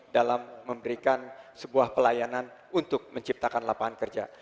dalam memberikan sebuah pelayanan untuk menciptakan lapangan kerja